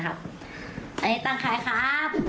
โอเคครับบ๊ายบายครับ